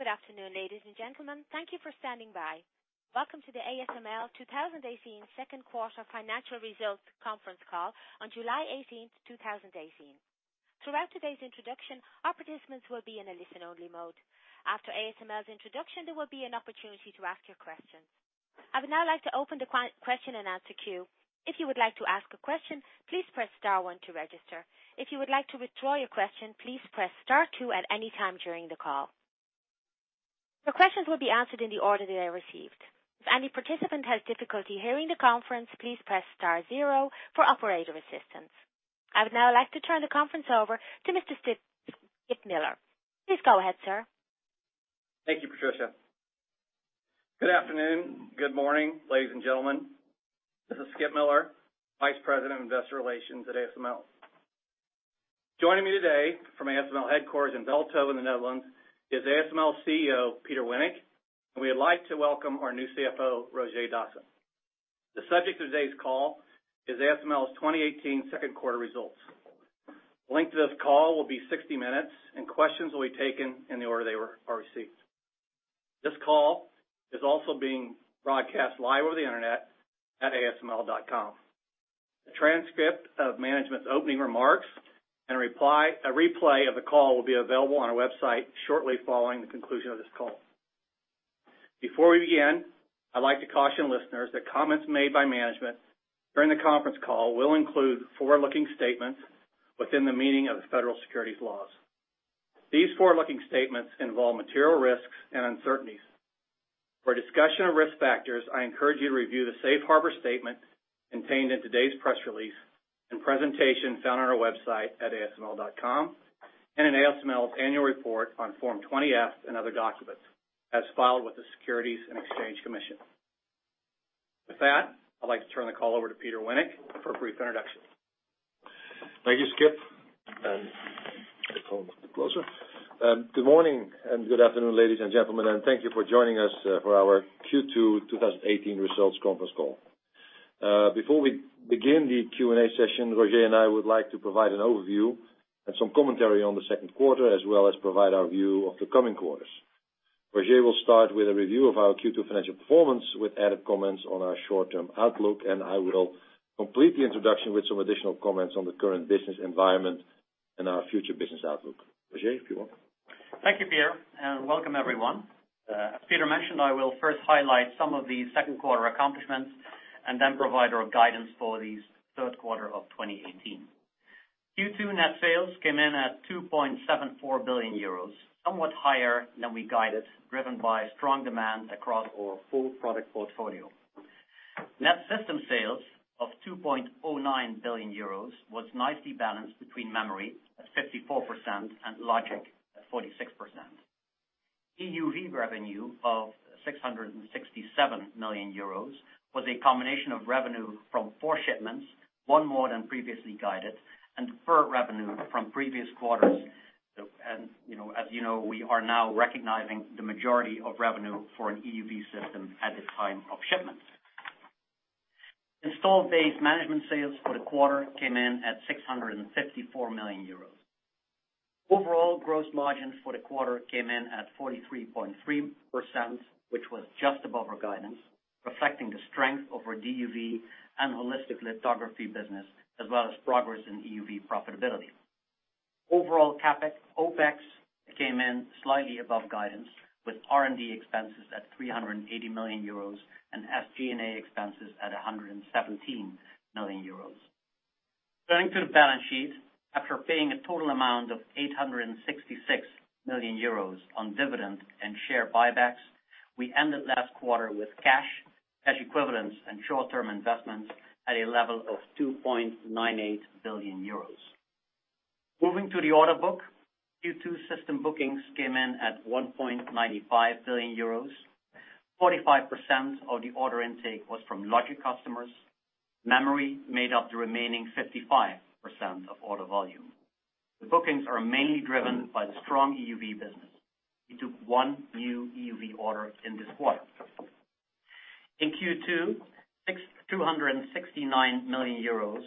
Good afternoon, ladies and gentlemen. Thank you for standing by. Welcome to the ASML 2018 second quarter financial results conference call on July 18th, 2018. Throughout today's introduction, our participants will be in a listen-only mode. After ASML's introduction, there will be an opportunity to ask your questions. I would now like to open the question and answer queue. If you would like to ask a question, please press star one to register. If you would like to withdraw your question, please press star two at any time during the call. Your questions will be answered in the order they are received. If any participant has difficulty hearing the conference, please press star zero for operator assistance. I would now like to turn the conference over to Mr. Skip Miller. Please go ahead, sir. Thank you, Patricia. Good afternoon, good morning, ladies and gentlemen. This is Skip Miller, Vice President of Investor Relations at ASML. Joining me today from ASML headquarters in Veldhoven, in the Netherlands, is ASML CEO Peter Wennink, and we would like to welcome our new CFO, Roger Dassen. The subject of today's call is ASML's 2018 second quarter results. The length of this call will be 60 minutes, and questions will be taken in the order they are received. This call is also being broadcast live over the internet at asml.com. A transcript of management's opening remarks and a replay of the call will be available on our website shortly following the conclusion of this call. Before we begin, I'd like to caution listeners that comments made by management during the conference call will include forward-looking statements within the meaning of the federal securities laws. These forward-looking statements involve material risks and uncertainties. For a discussion of risk factors, I encourage you to review the safe harbor statement contained in today's press release, and presentations found on our website at asml.com, and in ASML's annual report on Form 20-F and other documents as filed with the Securities and Exchange Commission. With that, I'd like to turn the call over to Peter Wennink for a brief introduction. Thank you, Skip. Get the phone a little bit closer. Good morning and good afternoon, ladies and gentlemen, and thank you for joining us for our Q2 2018 results conference call. Before we begin the Q&A session, Roger and I would like to provide an overview and some commentary on the second quarter as well as provide our view of the coming quarters. Roger will start with a review of our Q2 financial performance, with added comments on our short-term outlook, and I will complete the introduction with some additional comments on the current business environment and our future business outlook. Roger, if you will. Thank you, Peter, welcome everyone. As Peter mentioned, I will first highlight some of the second quarter accomplishments and then provide our guidance for the third quarter of 2018. Q2 net sales came in at 2.74 billion euros, somewhat higher than we guided, driven by strong demand across our full product portfolio. Net system sales of 2.09 billion euros was nicely balanced between memory at 54% and logic at 46%. EUV revenue of 667 million euros was a combination of revenue from four shipments, one more than previously guided, and deferred revenue from previous quarters. As you know, we are now recognizing the majority of revenue for an EUV system at the time of shipment. Installed base management sales for the quarter came in at 654 million euros. Overall gross margins for the quarter came in at 43.3%, which was just above our guidance, reflecting the strength of our DUV and Holistic Lithography business, as well as progress in EUV profitability. Overall, CapEx, OpEx came in slightly above guidance, with R&D expenses at 380 million euros and SG&A expenses at 117 million euros. Going to the balance sheet, after paying a total amount of 866 million euros on dividends and share buybacks, we ended last quarter with cash equivalents, and short-term investments at a level of 2.98 billion euros. Moving to the order book, Q2 system bookings came in at 1.95 billion euros. 45% of the order intake was from logic customers. Memory made up the remaining 55% of order volume. The bookings are mainly driven by the strong EUV business. We took one new EUV order in this quarter. In Q2, 269 million euros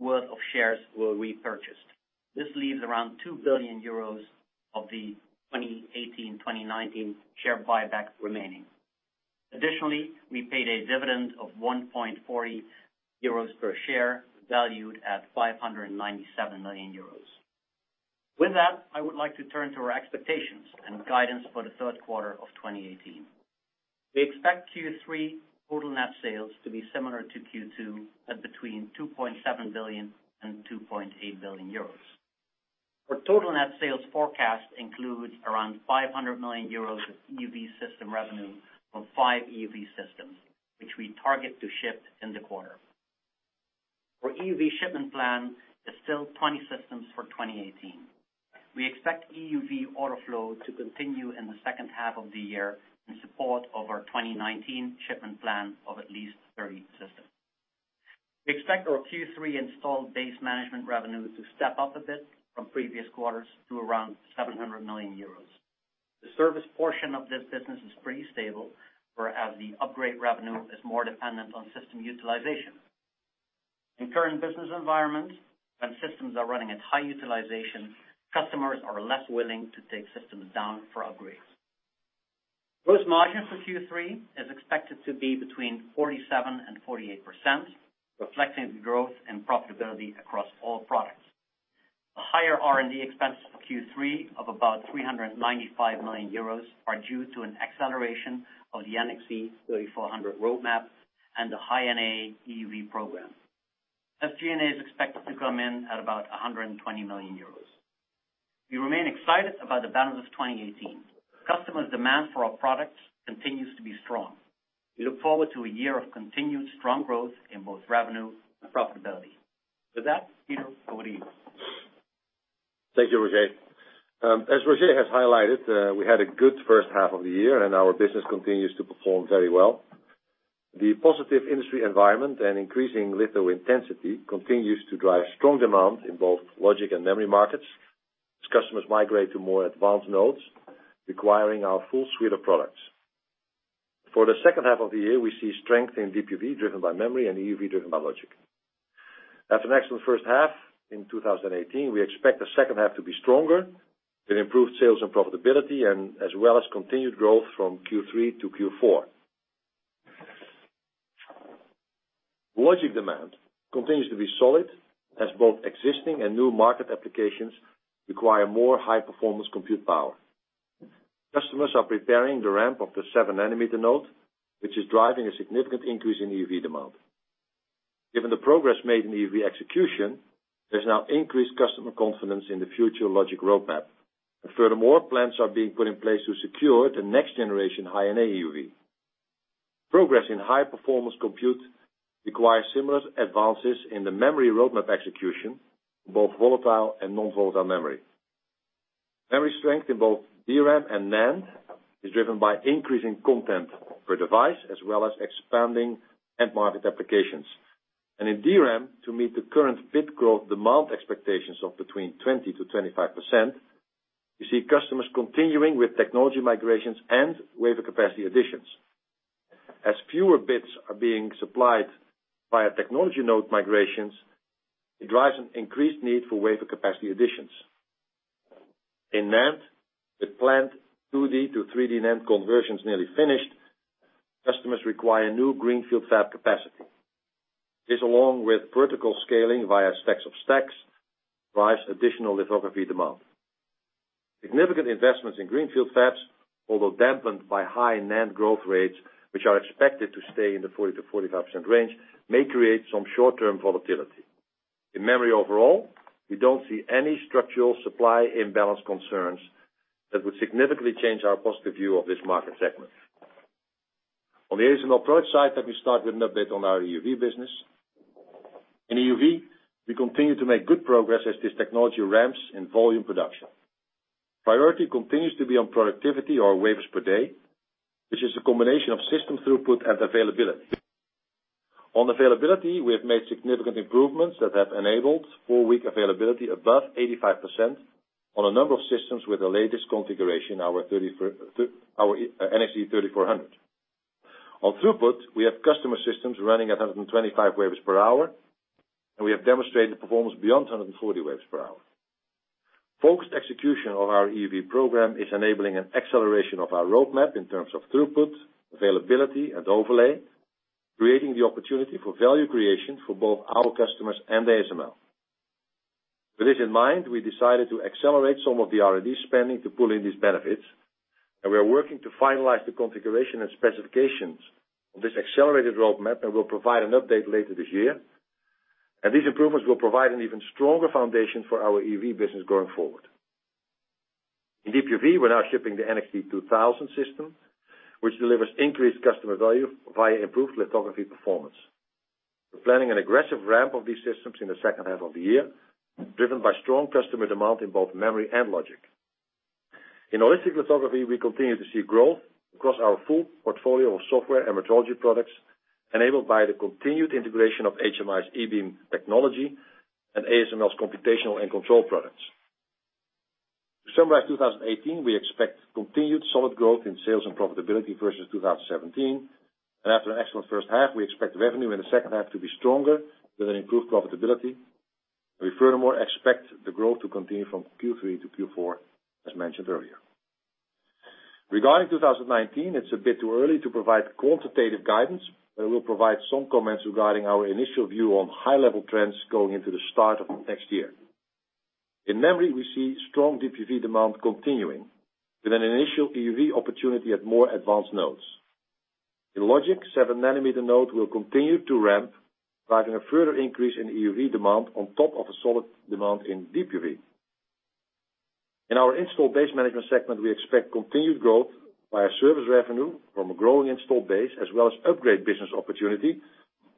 worth of shares were repurchased. This leaves around 2 billion euros of the 2018-2019 share buyback remaining. Additionally, we paid a dividend of 1.40 euros per share, valued at 597 million euros. With that, I would like to turn to our expectations and guidance for the third quarter of 2018. We expect Q3 total net sales to be similar to Q2 at between 2.7 billion and 2.8 billion euros. Our total net sales forecast includes around 500 million euros of EUV system revenue from five EUV systems, which we target to ship in the quarter. Our EUV shipment plan is still 20 systems for 2018. We expect EUV order flow to continue in the second half of the year in support of our 2019 shipment plan of at least 30 systems. We expect our Q3 installed base management revenue to step up a bit from previous quarters to around 700 million euros. The service portion of this business is pretty stable, whereas the upgrade revenue is more dependent on system utilization. In current business environment, when systems are running at high utilization, customers are less willing to take systems down for upgrades. Gross margin for Q3 is expected to be between 47% and 48%, reflecting the growth and profitability across all products. The higher R&D expense for Q3 of about 395 million euros are due to an acceleration of the NXE:3400 roadmap and the High-NA EUV program. SG&A is expected to come in at about 120 million euros. We remain excited about the balance of 2018. Customers' demand for our products continues to be strong. We look forward to a year of continued strong growth in both revenue and profitability. With that, Peter, over to you. Thank you, Roger. As Roger has highlighted, we had a good first half of the year, and our business continues to perform very well. The positive industry environment and increasing litho intensity continues to drive strong demand in both logic and memory markets as customers migrate to more advanced nodes, requiring our full suite of products. For the second half of the year, we see strength in DUV driven by memory and EUV driven by logic. After an excellent first half in 2018, we expect the second half to be stronger with improved sales and profitability, as well as continued growth from Q3 to Q4. Logic demand continues to be solid as both existing and new market applications require more high-performance compute power. Customers are preparing the ramp of the 7nm node, which is driving a significant increase in EUV demand. Given the progress made in EUV execution, there's now increased customer confidence in the future logic roadmap. Furthermore, plans are being put in place to secure the next generation High-NA EUV. Progress in high performance compute requires similar advances in the memory roadmap execution, both volatile and non-volatile memory. Memory strength in both DRAM and NAND is driven by increasing content per device as well as expanding end market applications. In DRAM, to meet the current bit growth demand expectations of between 20%-25%, you see customers continuing with technology migrations and wafer capacity additions. As fewer bits are being supplied via technology node migrations, it drives an increased need for wafer capacity additions. In NAND, the planned 2D to 3D NAND conversion's nearly finished. Customers require new greenfield fab capacity. This, along with vertical scaling via stacks of stacks, drives additional lithography demand. Significant investments in greenfield fabs, although dampened by high NAND growth rates, which are expected to stay in the 40%-45% range, may create some short-term volatility. In memory overall, we don't see any structural supply imbalance concerns that would significantly change our positive view of this market segment. On the ASML product side, let me start with an update on our EUV business. In EUV, we continue to make good progress as this technology ramps in volume production. Priority continues to be on productivity or wafers per day, which is a combination of system throughput and availability. On availability, we have made significant improvements that have enabled four-week availability above 85% on a number of systems with the latest configuration, our NXE:3400. On throughput, we have customer systems running at 125 wafers per hour, and we have demonstrated performance beyond 140 wafers per hour. Focused execution of our EUV program is enabling an acceleration of our roadmap in terms of throughput, availability, and overlay, creating the opportunity for value creation for both our customers and ASML. With this in mind, we decided to accelerate some of the R&D spending to pull in these benefits. We are working to finalize the configuration and specifications of this accelerated roadmap, and we'll provide an update later this year. These improvements will provide an even stronger foundation for our EUV business going forward. In DUV, we're now shipping the TWINSCAN NXT:2000i system, which delivers increased customer value via improved lithography performance. We're planning an aggressive ramp of these systems in the second half of the year, driven by strong customer demand in both memory and logic. In Holistic Lithography, we continue to see growth across our full portfolio of software and metrology products enabled by the continued integration of HMI's e-beam technology and ASML's computational and control products. To summarize 2018, we expect continued solid growth in sales and profitability versus 2017. After an excellent first half, we expect revenue in the second half to be stronger with an improved profitability. We furthermore expect the growth to continue from Q3 to Q4, as mentioned earlier. Regarding 2019, it's a bit too early to provide quantitative guidance, but we'll provide some comments regarding our initial view on high-level trends going into the start of next year. In memory, we see strong DUV demand continuing with an initial EUV opportunity at more advanced nodes. In logic, 7nm node will continue to ramp, driving a further increase in EUV demand on top of a solid demand in DUV. In our installed base management segment, we expect continued growth via service revenue from a growing installed base as well as upgrade business opportunity,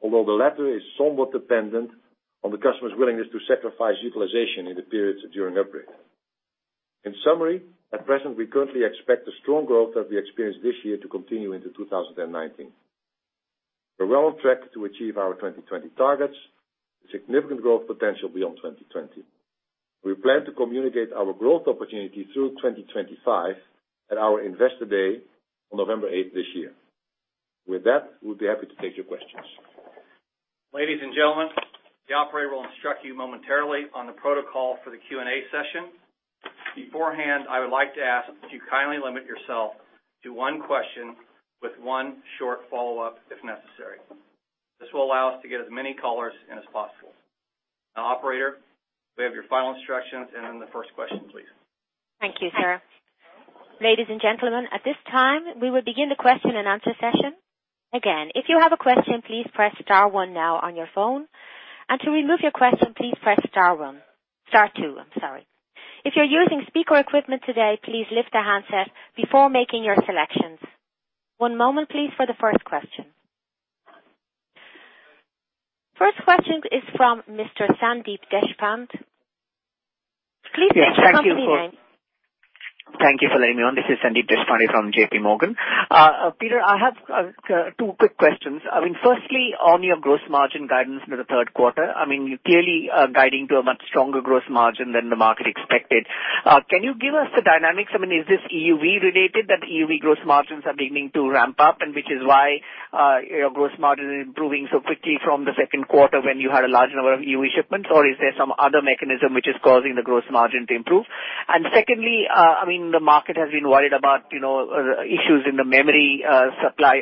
although the latter is somewhat dependent on the customer's willingness to sacrifice utilization in the periods during upgrade. In summary, at present, we currently expect the strong growth that we experienced this year to continue into 2019. We're well on track to achieve our 2020 targets with significant growth potential beyond 2020. We plan to communicate our growth opportunity through 2025 at our Investor Day on November 8th this year. With that, we'll be happy to take your questions. Ladies and gentlemen, the operator will instruct you momentarily on the protocol for the Q&A session. Beforehand, I would like to ask that you kindly limit yourself to one question with one short follow-up if necessary. This will allow us to get as many callers in as possible. Now operator, we have your final instructions and then the first question, please. Thank you, sir. Ladies and gentlemen, at this time, we will begin the question and answer session. If you have a question, please press star one now on your phone. To remove your question, please press star one. Star two, I'm sorry. If you're using speaker equipment today, please lift the handset before making your selections. One moment please for the first question. First question is from Mr. Sandeep Deshpande. Please state your company name. Yes, thank you for letting me on. This is Sandeep Deshpande from JPMorgan. Peter, I have two quick questions. Firstly, on your gross margin guidance for the third quarter. You're clearly guiding to a much stronger gross margin than the market expected. Can you give us the dynamics? Is this EUV related, that EUV gross margins are beginning to ramp up, and which is why your gross margin is improving so quickly from the second quarter when you had a large number of EUV shipments? Is there some other mechanism which is causing the gross margin to improve? Secondly, the market has been worried about issues in the memory supply,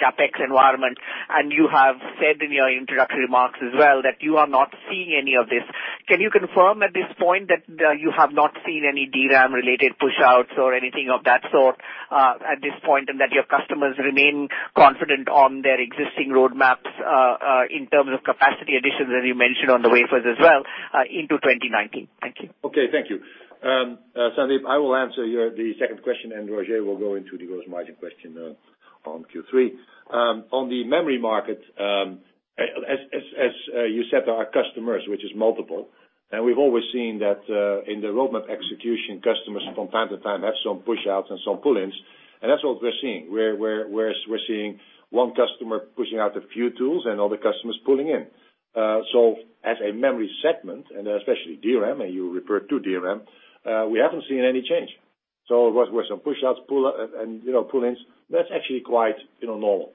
CapEx environment, and you have said in your introductory remarks as well that you are not seeing any of this. Can you confirm at this point that you have not seen any DRAM-related push-outs or anything of that sort at this point, and that your customers remain confident on their existing roadmaps, in terms of capacity additions, as you mentioned on the wafers as well, into 2019? Thank you. Okay. Thank you. Sandeep, I will answer the second question, and Roger will go into the gross margin question on Q3. On the memory market, as you said, there are customers, which is multiple. We've always seen that in the roadmap execution, customers from time to time have some push-outs and some pull-ins, and that's what we're seeing, where we're seeing one customer pushing out a few tools and other customers pulling in. As a memory segment, and especially DRAM, and you referred to DRAM, we haven't seen any change. There was some push-outs and pull-ins. That's actually quite normal.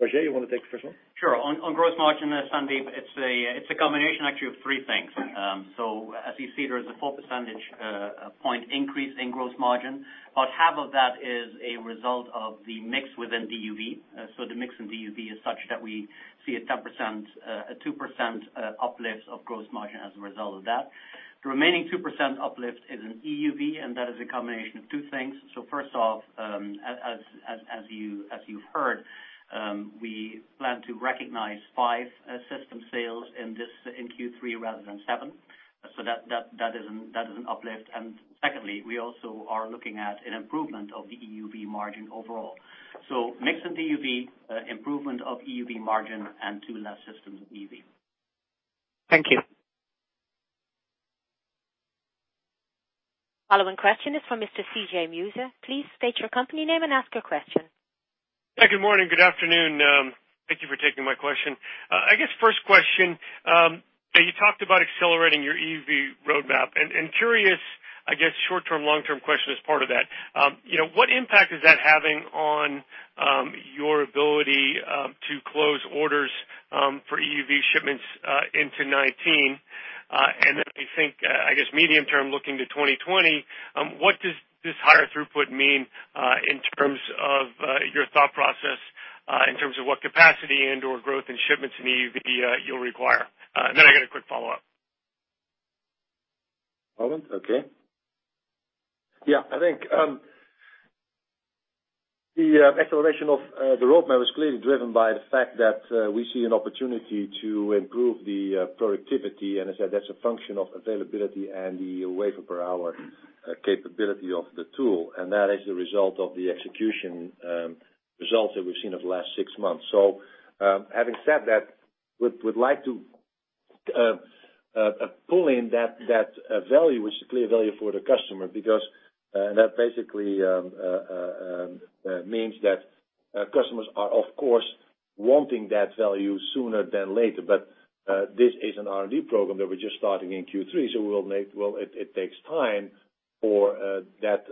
Roger, you want to take the first one? Sure. On gross margin, Sandeep, it's a combination, actually, of three things. As you see, there is a four percentage point increase in gross margin. About half of that is a result of the mix within DUV. The mix in DUV is such that we see a 2% uplift of gross margin as a result of that. The remaining 2% uplift is in EUV, and that is a combination of two things. First off, as you've heard, we plan to recognize five system sales in Q3 rather than seven. That is an uplift. Secondly, we also are looking at an improvement of the EUV margin overall. Mix in DUV, improvement of EUV margin, and two less systems in EUV. Thank you. Following question is from Mr. C.J. Muse. Please state your company name and ask your question. Yeah. Good morning. Good afternoon. Thank you for taking my question. I guess first question, you talked about accelerating your EUV roadmap. Curious, I guess short-term, long-term question as part of that. What impact is that having on your ability to close orders for EUV shipments into 2019? I think, I guess medium term looking to 2020, what does this higher throughput mean in terms of your thought process, in terms of what capacity and/or growth in shipments in EUV you'll require? I got a quick follow-up. Hold on. Okay. Yeah, I think the acceleration of the roadmap is clearly driven by the fact that we see an opportunity to improve the productivity. As I said, that's a function of availability and the wafers per hour capability of the tool, and that is the result of the execution results that we've seen over the last six months. Having said that, we'd like to pull in that value, which is a clear value for the customer, because that basically means that customers are, of course, wanting that value sooner than later. This is an R&D program that we're just starting in Q3, so it takes time for that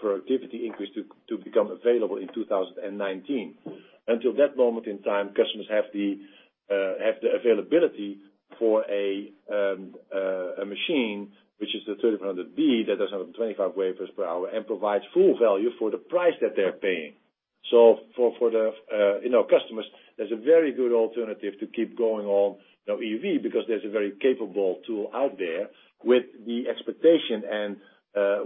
productivity increase to become available in 2019. Until that moment in time, customers have the availability for a machine, which is the NXE:3400B that does 125 wafers per hour and provides full value for the price that they're paying. For the customers, there's a very good alternative to keep going on EUV because there's a very capable tool out there with the expectation and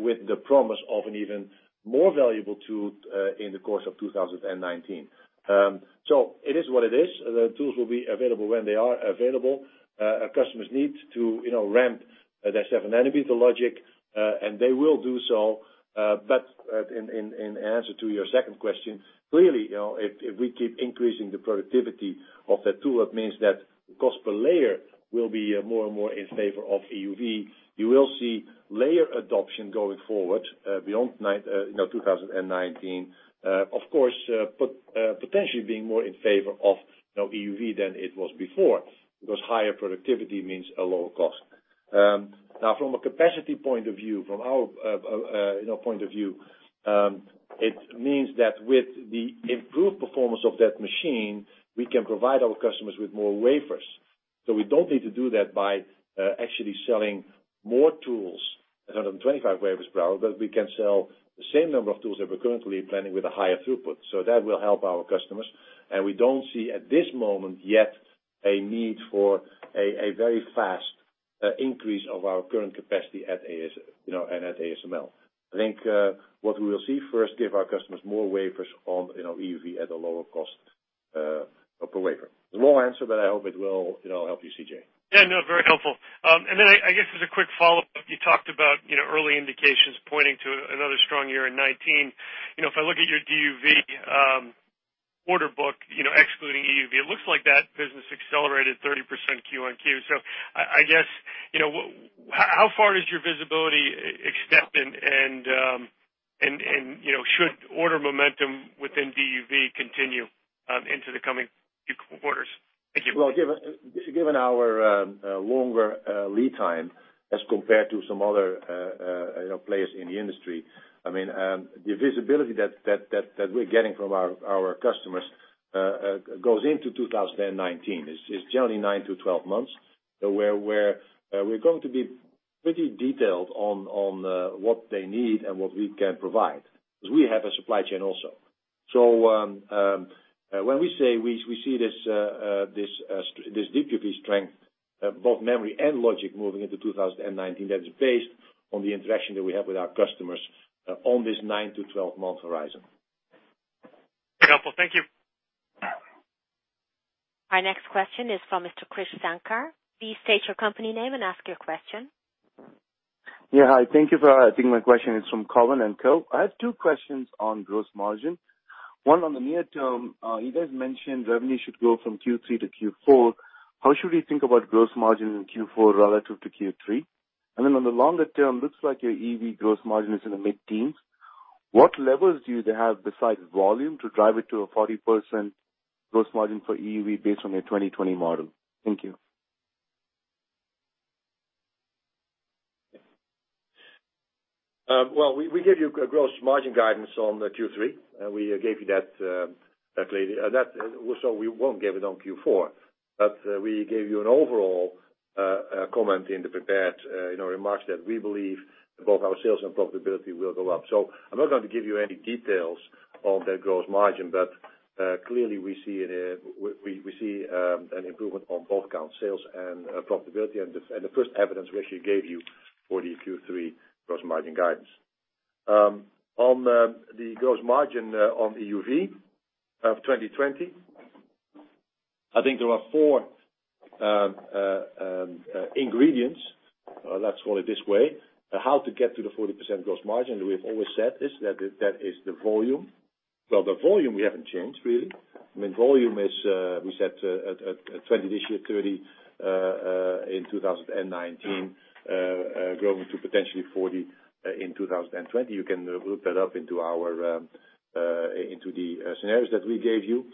with the promise of an even more valuable tool in the course of 2019. It is what it is. The tools will be available when they are available. Customers need to ramp their 7nm logic, and they will do so. In answer to your second question, clearly, if we keep increasing the productivity of that tool, it means that cost per layer will be more and more in favor of EUV. You will see layer adoption going forward, beyond 2019. Of course, potentially being more in favor of EUV than it was before, because higher productivity means a lower cost. From a capacity point of view, from our point of view, it means that with the improved performance of that machine, we can provide our customers with more wafers. We don't need to do that by actually selling more tools at 125 wafers per hour, but we can sell the same number of tools that we're currently planning with a higher throughput. That will help our customers. We don't see at this moment yet a need for a very fast increase of our current capacity at ASML. I think what we will see first, give our customers more wafers on EUV at a lower cost per wafer. It's a long answer, but I hope it will help you, C.J. Yeah, no, very helpful. I guess as a quick follow-up, you talked about early indications pointing to another strong year in 2019. If I look at your DUV order book, excluding EUV, it looks like that business accelerated 30% quarter-over-quarter. I guess, how far does your visibility extend and should order momentum within DUV continue into the coming few quarters? Thank you. Well, given our longer lead time as compared to some other players in the industry, the visibility that we're getting from our customers goes into 2019. It's generally 9 to 12 months. We're going to be pretty detailed on what they need and what we can provide because we have a supply chain also. When we say we see this DUV strength, both memory and logic moving into 2019, that is based on the interaction that we have with our customers on this 9 to 12-month horizon. Very helpful. Thank you. Our next question is from Mr. Krish Sankar. Please state your company name and ask your question. Yeah. Hi. Thank you for that. I think my question is from Cowen and Company. I have two questions on gross margin. One on the near term. You guys mentioned revenue should grow from Q3 to Q4. How should we think about gross margin in Q4 relative to Q3? On the longer term, looks like your EUV gross margin is in the mid-teens. What levers do you have besides volume to drive it to a 40% gross margin for EUV based on your 2020 model? Thank you. Well, we gave you a gross margin guidance on the Q3. We gave you that lately. We won't give it on Q4. We gave you an overall comment in the prepared remarks that we believe both our sales and profitability will go up. I'm not going to give you any details on the gross margin, but clearly we see an improvement on both counts, sales and profitability. The first evidence we actually gave you for the Q3 gross margin guidance. On the gross margin on EUV of 2020, I think there are four ingredients, let's call it this way, how to get to the 40% gross margin. We've always said this, that is the volume. Well, the volume we haven't changed really. Volume is we said at 20 this year, 30 in 2019, growing to potentially 40 in 2020. You can look that up into the scenarios that we gave you.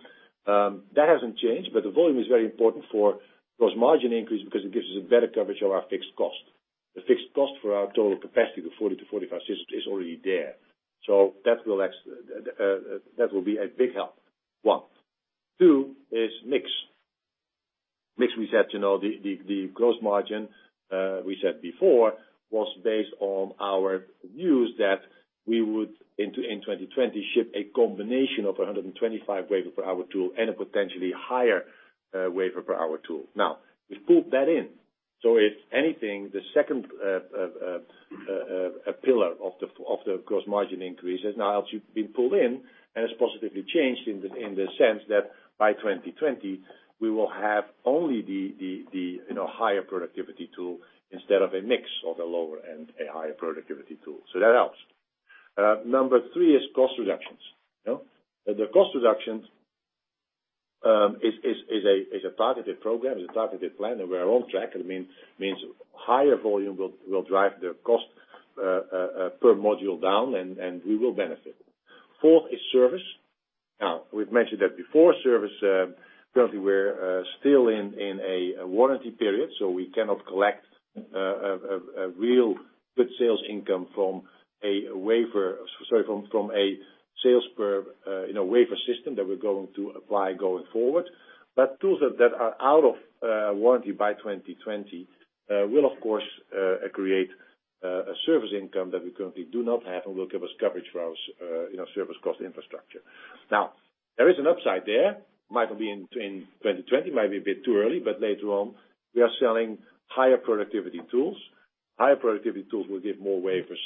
That hasn't changed. The volume is very important for gross margin increase because it gives us a better coverage of our fixed cost. The fixed cost for our total capacity, the 40 to 45 systems, is already there. That will be a big help. One. Two is mix. Mix we said the gross margin, we said before, was based on our views that we would, in 2020, ship a combination of 125 wafers per hour tool and a potentially higher wafers per hour tool. We pulled that in. If anything, the second pillar of the gross margin increase has now actually been pulled in and has positively changed in the sense that by 2020, we will have only the higher productivity tool instead of a mix of a lower and a higher productivity tool. That helps. Number 3 is cost reductions. The cost reductions is a targeted program, is a targeted plan, and we're on track. It means higher volume will drive the cost per module down, and we will benefit. Fourth is service. We've mentioned that before service, currently we're still in a warranty period, so we cannot collect a real good sales income from a wafer system that we're going to apply going forward. Tools that are out of warranty by 2020 will of course create a service income that we currently do not have and will give us coverage for our service cost infrastructure. There is an upside there. Might not be in 2020, might be a bit too early, but later on we are selling higher productivity tools. Higher productivity tools will give more wafers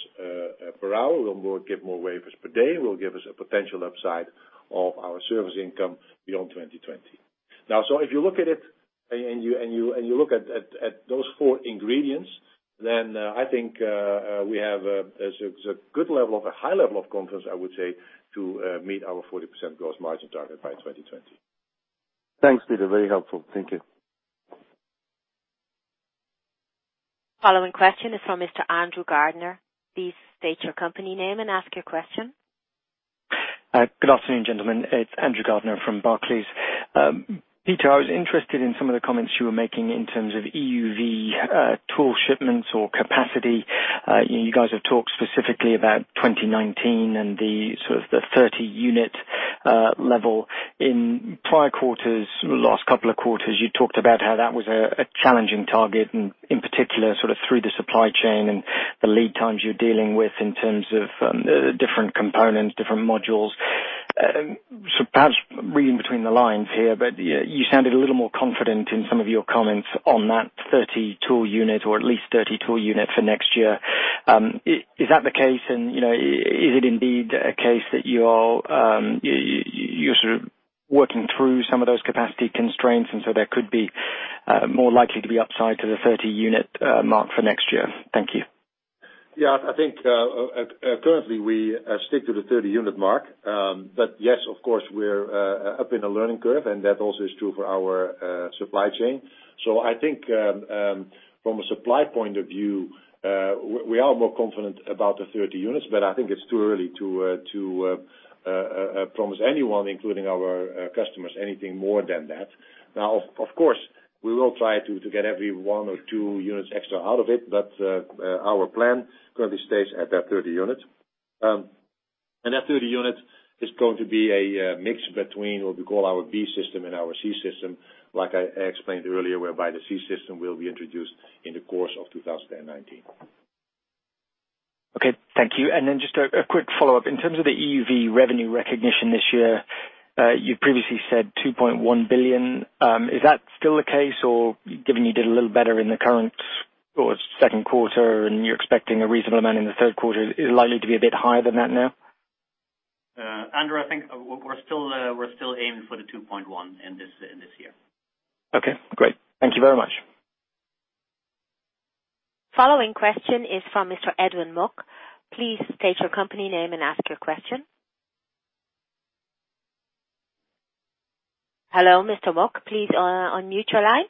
per hour, will give more wafers per day, will give us a potential upside of our service income beyond 2020. If you look at it and you look at those four ingredients, then I think we have a good level, a high level of confidence, I would say, to meet our 40% gross margin target by 2020. Thanks, Peter. Very helpful. Thank you. Following question is from Mr. Andrew Gardiner. Please state your company name and ask your question. Good afternoon, gentlemen. It's Andrew Gardiner from Barclays. Peter, I was interested in some of the comments you were making in terms of EUV tool shipments or capacity. You guys have talked specifically about 2019 and the sort of the 30-unit level. In prior quarters, last couple of quarters, you talked about how that was a challenging target and in particular, sort of through the supply chain and the lead times you're dealing with in terms of different components, different modules. Perhaps reading between the lines here, but you sounded a little more confident in some of your comments on that 30 tool unit or at least 30 tool unit for next year. Is that the case? Is it indeed a case that you're sort of working through some of those capacity constraints, and so there could be more likely to be upside to the 30-unit mark for next year? Thank you. Yeah, I think, currently, we stick to the 30-unit mark. Yes, of course, we're up in a learning curve, and that also is true for our supply chain. I think from a supply point of view, we are more confident about the 30 units, but I think it's too early to promise anyone, including our customers, anything more than that. Now, of course, we will try to get every one or two units extra out of it, but our plan currently stays at that 30 units. That 30 units is going to be a mix between what we call our NXE:3400B system and our NXE system, like I explained earlier, whereby the NXE system will be introduced in the course of 2019. Okay. Thank you. Just a quick follow-up. In terms of the EUV revenue recognition this year, you previously said 2.1 billion. Is that still the case, or given you did a little better in the current sort of second quarter and you're expecting a reasonable amount in the third quarter, is it likely to be a bit higher than that now? Andrew, I think we're still aiming for the 2.1 in this year. Okay, great. Thank you very much. Following question is from Mr. Edwin Mok. Please state your company name and ask your question. Hello, Mr. Mok. Please unmute your line.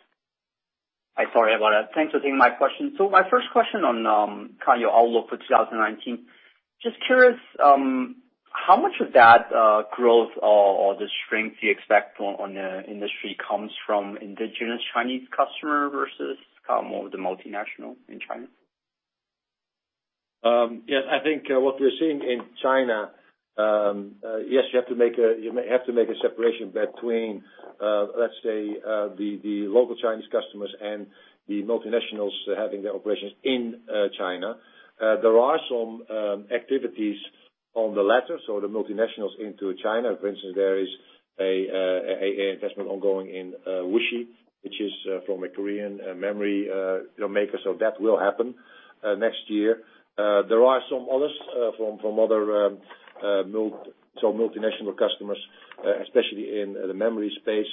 Hi. Sorry about that. Thanks for taking my question. My first question on kind of your outlook for 2019. Just curious, how much of that growth or the strength you expect on the industry comes from indigenous Chinese customer versus more of the multinational in China? I think what we're seeing in China, you have to make a separation between, let's say, the local Chinese customers and the multinationals having their operations in China. There are some activities on the latter, the multinationals into China. For instance, there is an investment ongoing in Wuxi, which is from a Korean memory maker. That will happen next year. There are some others from other multinational customers, especially in the memory space.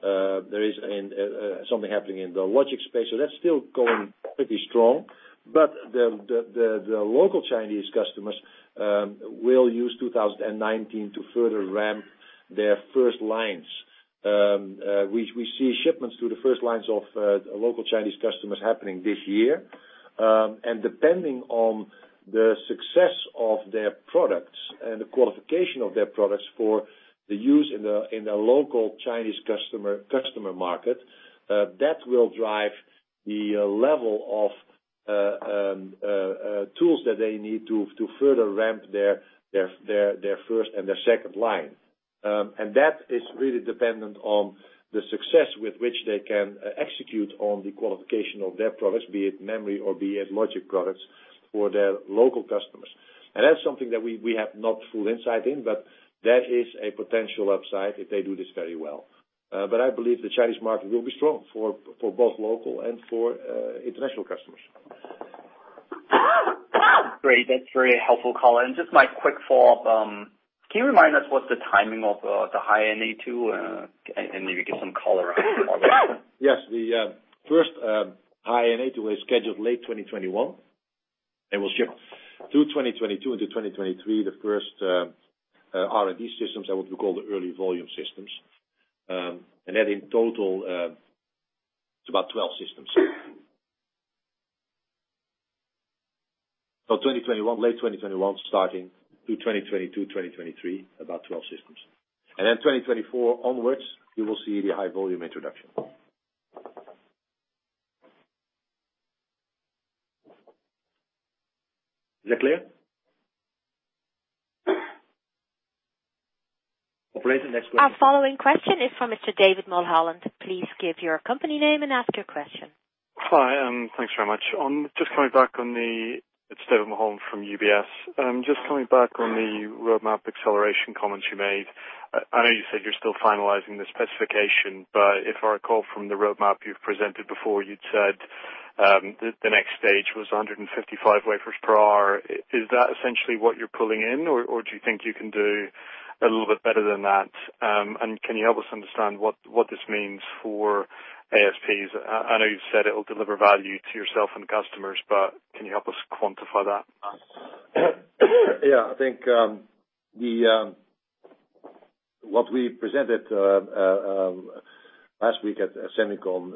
There is something happening in the logic space. That's still going pretty strong. The local Chinese customers will use 2019 to further ramp their first lines. We see shipments to the first lines of local Chinese customers happening this year. Depending on the success of their products and the qualification of their products for the use in the local Chinese customer market, that will drive the level of tools that they need to further ramp their first and their second line. That is really dependent on the success with which they can execute on the qualification of their products, be it memory or be it logic products for their local customers. That's something that we have not full insight in, but that is a potential upside if they do this very well. I believe the Chinese market will be strong for both local and for international customers. Great. That's very helpful, color. Just my quick follow-up. Can you remind us what's the timing of the High NA2 and maybe give some color around that? Yes. The first High NA2 is scheduled late 2021, and will ship through 2022 into 2023, the first R&D systems, what we call the early volume systems. In total, it's about 12 systems. 2021, late 2021 starting through 2022, 2023, about 12 systems. 2024 onwards, you will see the high volume introduction. Is that clear? Operator, next question. Our following question is from Mr. David Mulholland. Please give your company name and ask your question. Hi, thanks very much. It's David Mulholland from UBS. Just coming back on the roadmap acceleration comments you made. I know you said you're still finalizing the specification, but if I recall from the roadmap you've presented before, you'd said the next stage was 155 wafers per hour. Is that essentially what you're pulling in, or do you think you can do a little bit better than that? Can you help us understand what this means for ASPs? I know you've said it'll deliver value to yourself and customers, but can you help us quantify that? Yeah, I think what we presented last week at SEMICON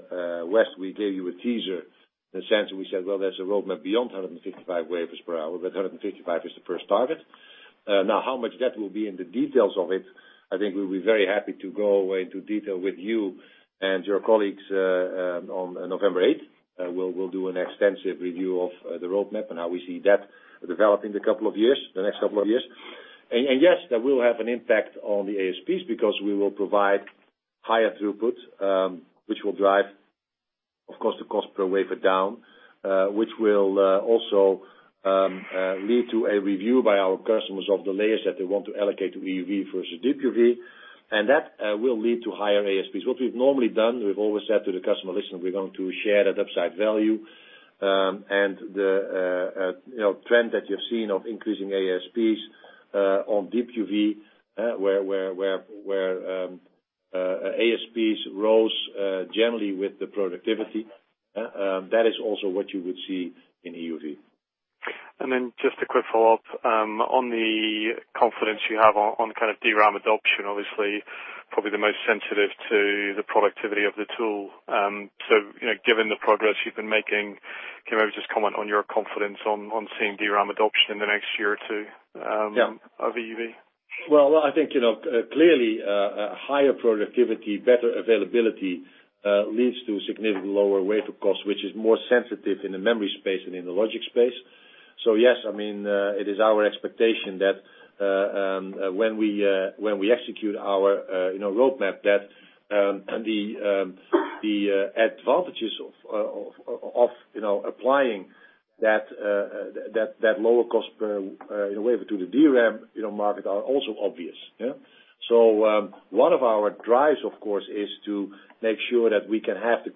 West, we gave you a teaser. In a sense, we said, well, there's a roadmap beyond 155 wafers per hour, but 155 is the first target. Now, how much that will be and the details of it, I think we'll be very happy to go away into detail with you and your colleagues on November 8th. We'll do an extensive review of the roadmap and how we see that developing the next couple of years. Yes, that will have an impact on the ASPs because we will provide higher throughput, which will drive, of course, the cost per wafer down, which will also lead to a review by our customers of the layers that they want to allocate to EUV versus Deep UV. That will lead to higher ASPs. What we've normally done, we've always said to the customer, "Listen, we're going to share that upside value." The trend that you've seen of increasing ASPs on Deep UV, where ASPs rose generally with the productivity, that is also what you would see in EUV. Just a quick follow-up. On the confidence you have on DRAM adoption, obviously, probably the most sensitive to the productivity of the tool. Given the progress you've been making, can you maybe just comment on your confidence on seeing DRAM adoption in the next year or two- Yeah of EUV? Well, I think, clearly, higher productivity, better availability, leads to significantly lower wafer cost, which is more sensitive in the memory space than in the logic space. Yes, it is our expectation that when we execute our roadmap, that the advantages of applying that lower cost per wafer to the DRAM market are also obvious, yeah? One of our drives, of course, is to make sure that we can have the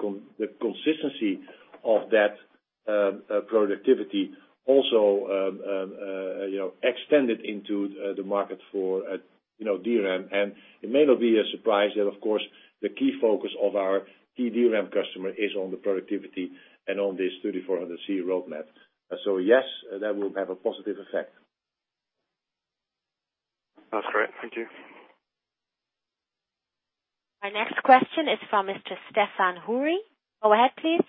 consistency of that productivity also extended into the market for DRAM. It may not be a surprise that, of course, the key focus of our key DRAM customer is on the productivity and on this NXE:3400C roadmap. Yes, that will have a positive effect. That's great. Thank you. Our next question is from Mr. Stéphane Houri. Go ahead, please.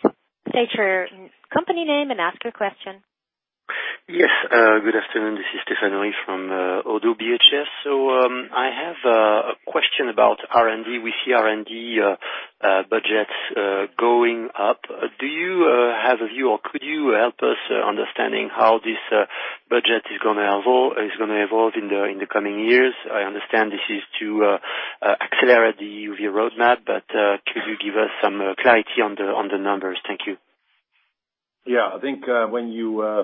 State your company name and ask your question. Yes, good afternoon. This is Stéphane Houri from ODDO BHF. I have a question about R&D. We see R&D budgets going up. Do you have a view, or could you help us understanding how this budget is going to evolve in the coming years? I understand this is to accelerate the EUV roadmap, but could you give us some clarity on the numbers? Thank you. I think when you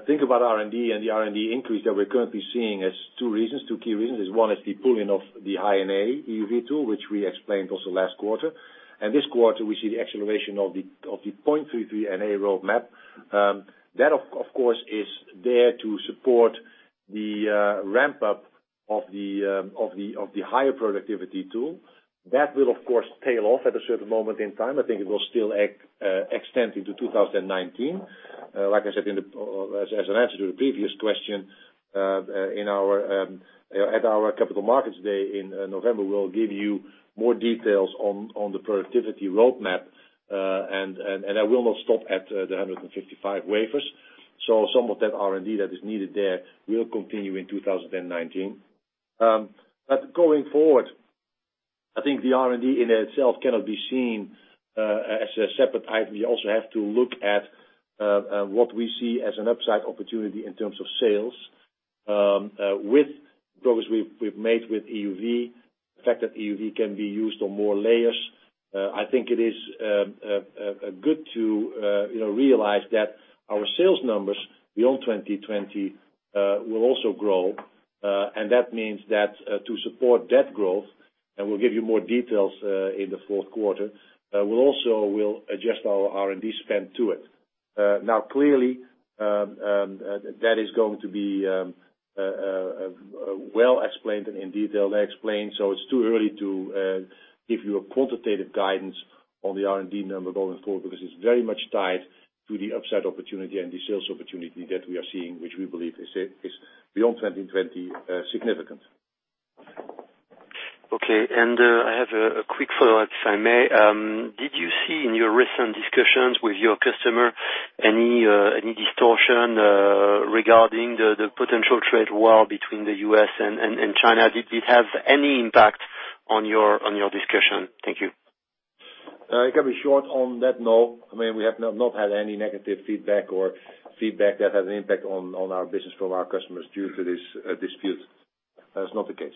think about R&D and the R&D increase that we're currently seeing, there's two key reasons. One is the pulling of the High-NA EUV tool, which we explained also last quarter. This quarter, we see the acceleration of the 0.33 NA roadmap. That, of course, is there to support the ramp-up of the higher productivity tool. That will, of course, tail off at a certain moment in time. I think it will still extend into 2019. Like I said, as an answer to the previous question, at our Capital Markets week in November, we'll give you more details on the productivity roadmap. That will not stop at the 155 wafers. Some of that R&D that is needed there will continue in 2019. Going forward, I think the R&D in itself cannot be seen as a separate item. We also have to look at what we see as an upside opportunity in terms of sales. With progress we've made with EUV, the fact that EUV can be used on more layers, I think it is good to realize that our sales numbers beyond 2020 will also grow. That means that to support that growth, and we'll give you more details in the fourth quarter, we also will adjust our R&D spend to it. Clearly, that is going to be well explained and in detail explained. It's too early to give you a quantitative guidance on the R&D number going forward because it's very much tied to the upside opportunity and the sales opportunity that we are seeing, which we believe is, beyond 2020, significant. Okay. I have a quick follow-up, if I may. Did you see, in your recent discussions with your customer, any distortion regarding the potential trade war between the U.S. and China? Did it have any impact on your discussion? Thank you. It can be short on that, no. We have not had any negative feedback or feedback that has an impact on our business from our customers due to this dispute. That is not the case.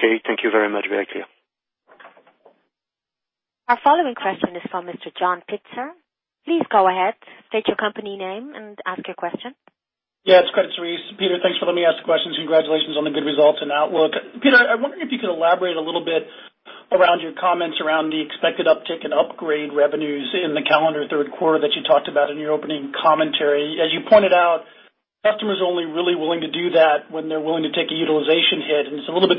Okay. Thank you very much. Very clear. Our following question is from Mr. John Pitzer. Please go ahead, state your company name, and ask your question. It's Credit Suisse. Peter, thanks for letting me ask the questions. Congratulations on the good results and outlook. Peter, I wonder if you could elaborate a little bit around your comments around the expected uptick in upgrade revenues in the calendar third quarter that you talked about in your opening commentary. As you pointed out, customers are only really willing to do that when they're willing to take a utilization hit, it's a little bit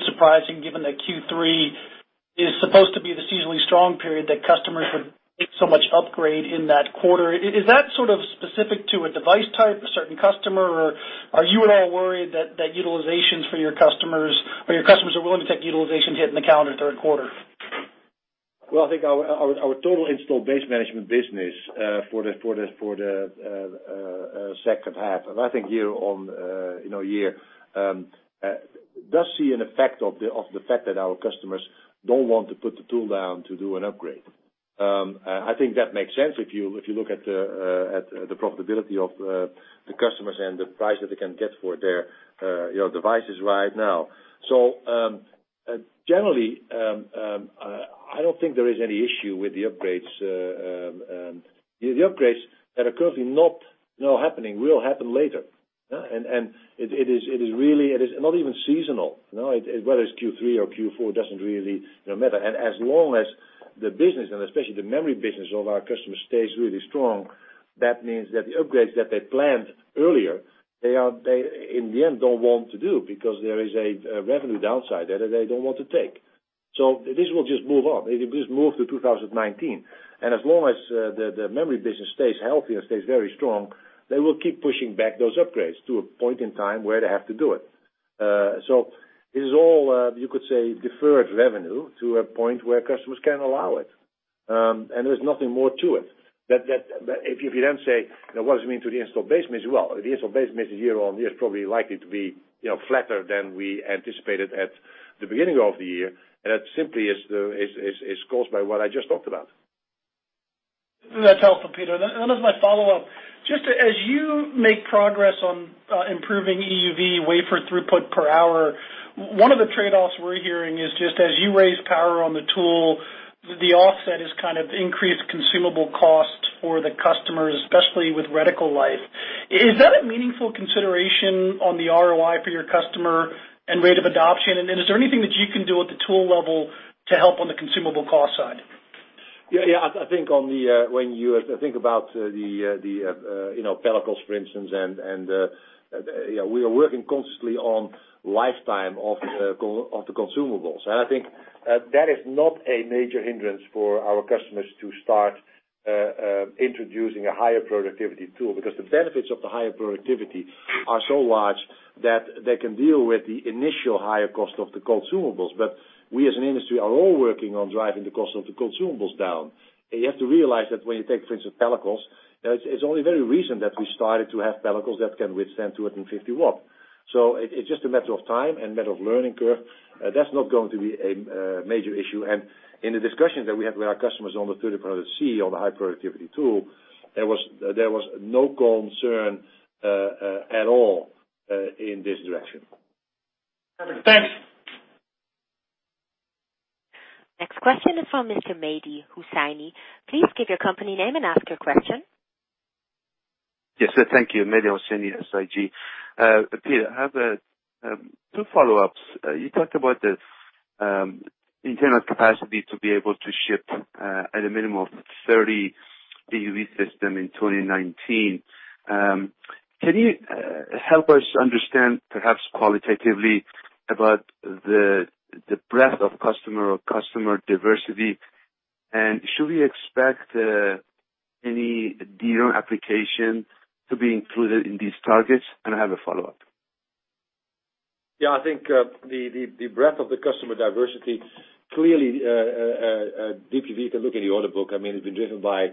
strong period that customers would make so much upgrade in that quarter. Is that sort of specific to a device type, a certain customer, or are you at all worried that your customers are willing to take utilization hit in the calendar third quarter? Well, I think our total installed base management business, for the second half, year-over-year, does see an effect of the fact that our customers don't want to put the tool down to do an upgrade. I think that makes sense if you look at the profitability of the customers and the price that they can get for their devices right now. Generally, I don't think there is any issue with the upgrades. The upgrades that are currently not happening will happen later. It is not even seasonal. Whether it's Q3 or Q4 doesn't really matter, as long as the business, especially the memory business of our customers, stays really strong, that means that the upgrades that they planned earlier, they in the end don't want to do, because there is a revenue downside that they don't want to take. This will just move up. It will just move to 2019. As long as the memory business stays healthy and stays very strong, they will keep pushing back those upgrades to a point in time where they have to do it. It is all, you could say, deferred revenue to a point where customers can allow it. There's nothing more to it. If you then say, "What does it mean to the installed base?" Well, the installed base next year-over-year is probably likely to be flatter than we anticipated at the beginning of the year, that simply is caused by what I just talked about. That's helpful, Peter. As my follow-up, just as you make progress on improving EUV wafer throughput per hour, one of the trade-offs we're hearing is just as you raise power on the tool, the offset is kind of increased consumable cost for the customers, especially with reticle life. Is that a meaningful consideration on the ROI for your customer and rate of adoption? Is there anything that you can do at the tool level to help on the consumable cost side? I think about the pellicles, for instance. We are working constantly on lifetime of the consumables. I think that is not a major hindrance for our customers to start introducing a higher productivity tool, because the benefits of the higher productivity are so large that they can deal with the initial higher cost of the consumables. We as an industry are all working on driving the cost of the consumables down. You have to realize that when you take, for instance, pellicles, it's only very recent that we started to have pellicles that can withstand 250 watts. It's just a matter of time and matter of learning curve. That's not going to be a major issue. In the discussions that we have with our customers on the NXE:3400C, on the high productivity tool, there was no concern at all in this direction. Perfect. Thanks. Next question is from Mr. Mehdi Hosseini. Please state your company name and ask your question. Yes. Thank you. Mehdi Hosseini, SIG. Peter, I have two follow-ups. You talked about the internal capacity to be able to ship at a minimum of 30 EUV system in 2019. Can you help us understand, perhaps qualitatively, about the breadth of customer or customer diversity, and should we expect any DRAM application to be included in these targets? I have a follow-up. Yeah, I think the breadth of the customer diversity, clearly, if you take a look in the order book, it's been driven by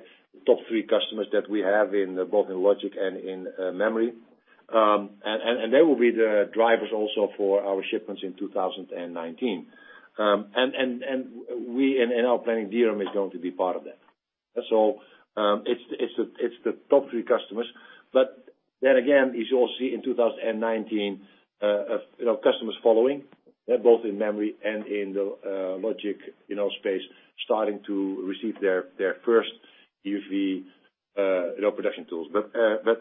top three customers that we have both in logic and in memory. They will be the drivers also for our shipments in 2019. In our planning, DRAM is going to be part of that. It's the top three customers. Again, you'll see in 2019, customers following, both in memory and in the logic space, starting to receive their first EUV production tools.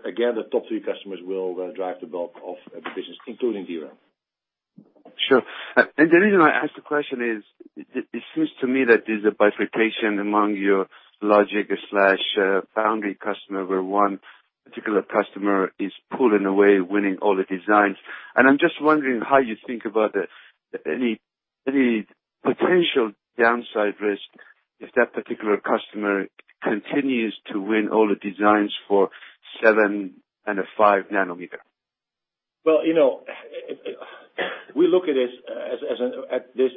Again, the top three customers will drive the bulk of the business, including DRAM. Sure. The reason I ask the question is, it seems to me that there's a bifurcation among your logic/foundry customer, where one particular customer is pulling away, winning all the designs. I'm just wondering how you think about any potential downside risk if that particular customer continues to win all the designs for seven and a five nanometer. Well, we look at this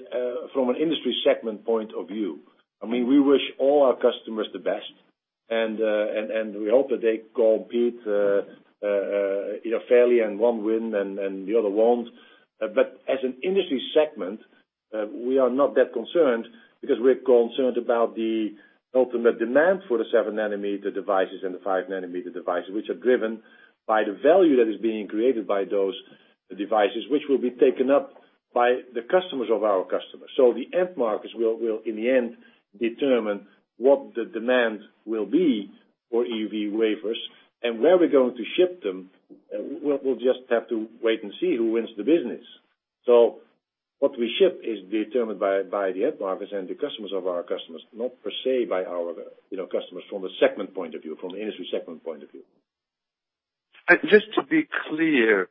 from an industry segment point of view. We wish all our customers the best, we hope that they compete fairly and one win and the other won't. As an industry segment, we are not that concerned because we're concerned about the ultimate demand for the seven-nanometer devices and the five-nanometer devices, which are driven by the value that is being created by those devices, which will be taken up by the customers of our customers. The end markets will, in the end, determine what the demand will be for EUV wafers. Where we're going to ship them, we'll just have to wait and see who wins the business. What we ship is determined by the end markets and the customers of our customers, not per se by our customers from the segment point of view, from the industry segment point of view. Just to be clear,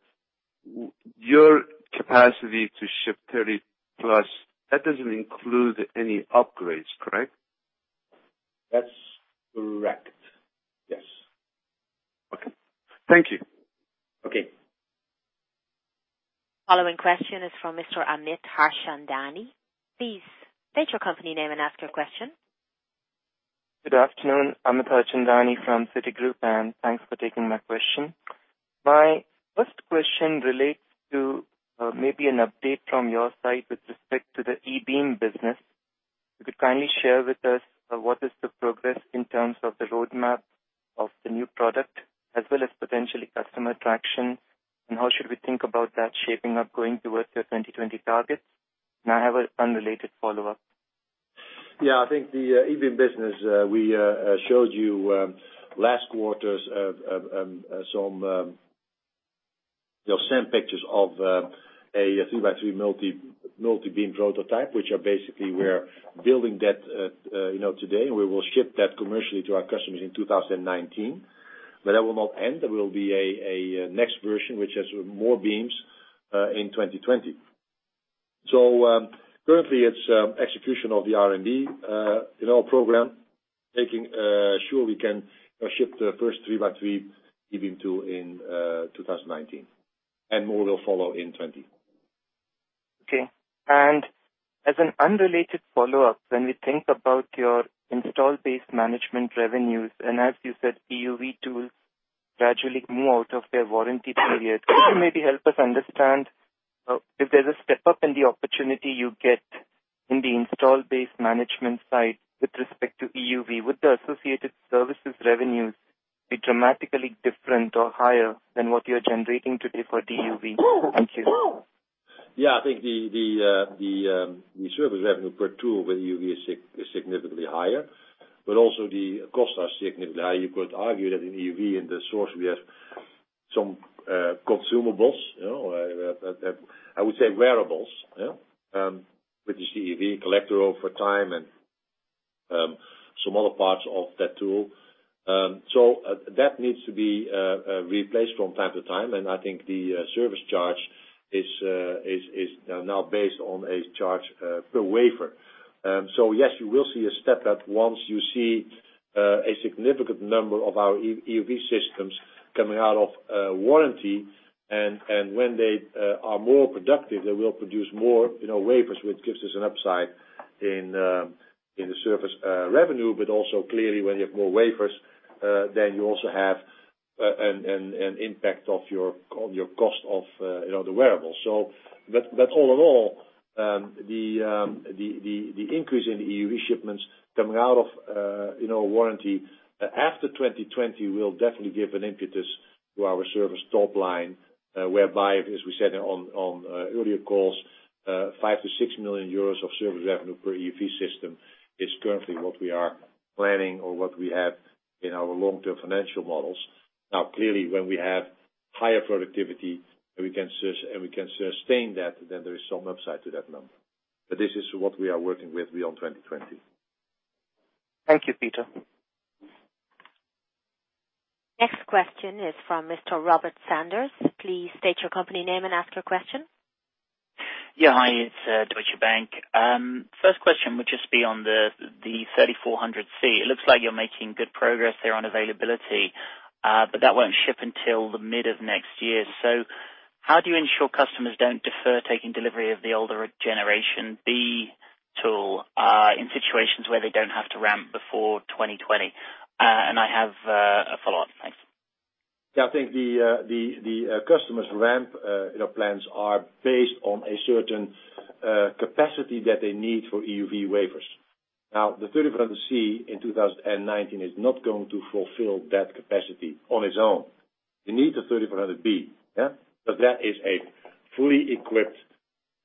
your capacity to ship 30+, that doesn't include any upgrades, correct? That's correct. Yes. Thank you. Okay. Following question is from Mr. Amit Harchandani. Please state your company name and ask your question. Good afternoon. Amit Harchandani from Citigroup, thanks for taking my question. My first question relates to maybe an update from your side with respect to the e-beam business. If you could kindly share with us what is the progress in terms of the roadmap of the new product, as well as potentially customer traction, and how should we think about that shaping up going towards your 2020 targets? I have an unrelated follow-up. I think the e-beam business, we showed you last quarters some pictures of a three-by-three multi-beam prototype. Which are basically, we're building that today, and we will ship that commercially to our customers in 2019. That will not end. There will be a next version, which has more beams, in 2020. Currently, it's execution of the R&D in our program, making sure we can ship the first three-by-three e-beam tool in 2019, and more will follow in 2020. Okay. As an unrelated follow-up, when we think about your install-based management revenues, and as you said, EUV tools gradually move out of their warranty period. Could you maybe help us understand if there's a step-up in the opportunity you get in the install-based management side with respect to EUV? Would the associated services revenues be dramatically different or higher than what you're generating today for EUV? Thank you. Yeah, I think the service revenue per tool with EUV is significantly higher, but also the costs are significantly higher. You could argue that in EUV, in the source, we have some consumables. I would say wearables, which is the EUV collector over time and some other parts of that tool. That needs to be replaced from time to time, and I think the service charge is now based on a charge per wafer. Yes, you will see a step-up once you see a significant number of our EUV systems coming out of warranty. When they are more productive, they will produce more wafers, which gives us an upside in the service revenue. Also clearly, when you have more wafers, then you also have an impact on your cost of the wearables. All in all, the increase in EUV shipments coming out of warranty after 2020 will definitely give an impetus to our service top line, whereby, as we said on earlier calls, 5 million-6 million euros of service revenue per EUV system is currently what we are planning or what we have in our long-term financial models. Now, clearly, when we have higher productivity and we can sustain that, there is some upside to that number, but this is what we are working with beyond 2020. Thank you, Peter. Next question is from Mr. Robert Sanders. Please state your company name and ask your question. Hi, it's Deutsche Bank. First question would just be on the NXE:3400C. It looks like you're making good progress there on availability. That won't ship until the mid of next year. How do you ensure customers don't defer taking delivery of the older generation B tool in situations where they don't have to ramp before 2020? I have a follow-up. Thanks. I think the customers' ramp plans are based on a certain capacity that they need for EUV wafers. The NXE:3400C in 2019 is not going to fulfill that capacity on its own. You need the NXE:3400B. That is a fully equipped,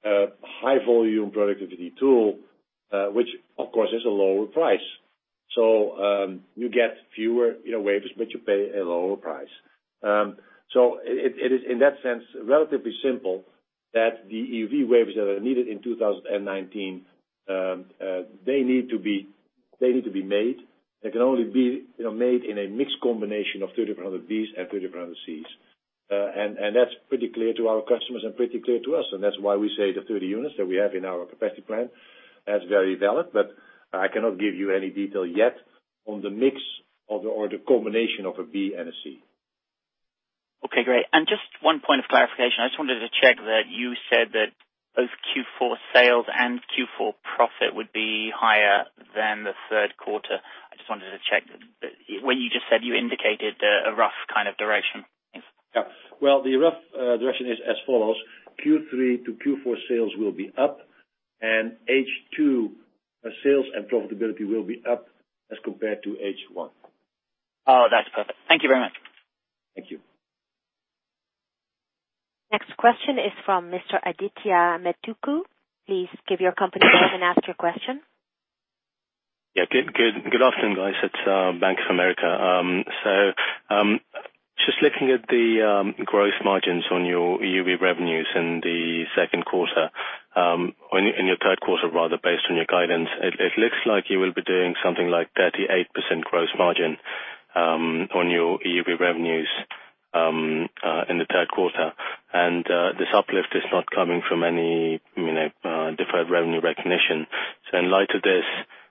high-volume productivity tool, which of course, is a lower price. You get fewer wafers, but you pay a lower price. It is, in that sense, relatively simple that the EUV wafers that are needed in 2019, they need to be made. They can only be made in a mixed combination of 3400Bs and 3400Cs. That's pretty clear to our customers and pretty clear to us, and that's why we say the 30 units that we have in our capacity plan, that's very valid. I cannot give you any detail yet on the mix or the combination of a B and a C. Okay, great. Just one point of clarification. I just wanted to check that you said that both Q4 sales and Q4 profit would be higher than the third quarter. I just wanted to check. You indicated a rough kind of direction. The rough direction is as follows. Q3 to Q4 sales will be up, and H2 sales and profitability will be up as compared to H1. Oh, that's perfect. Thank you very much. Thank you. Next question is from Mr. Adithya Metuku. Please give your company name and ask your question. Yeah. Good afternoon, guys. It's Bank of America. Just looking at the gross margins on your EUV revenues in the second quarter In your third quarter, rather, based on your guidance, it looks like you will be doing something like 38% gross margin on your EUV revenues in the third quarter. This uplift is not coming from any deferred revenue recognition. In light of this,